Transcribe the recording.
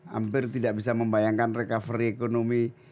hampir tidak bisa membayangkan recovery ekonomi